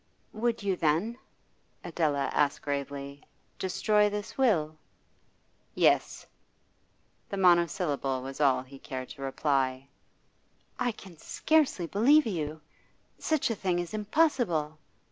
'Would you then,' Adela asked gravely, 'destroy this will?' 'Yes.' The monosyllable was all he cared to reply. 'I can scarcely believe you. Such a thing is impossible.